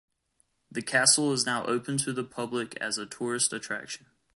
The castle is now open to the public as a tourist attraction.